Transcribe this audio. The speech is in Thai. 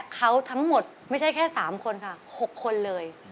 เขาทั้งหมดไม่ใช่แค่๓คนค่ะ๖คนเลย